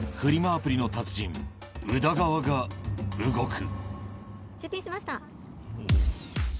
アプリの達人、宇田川が動く。